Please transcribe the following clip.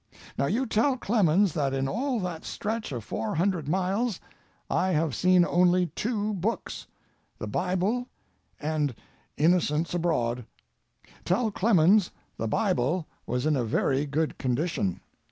Now you tell Clemens that in all that stretch of four hundred miles I have seen only two books—the Bible and 'Innocents Abroad'. Tell Clemens the Bible was in a very good condition."